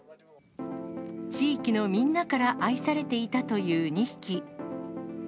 地域のみんなから愛されていたという２匹。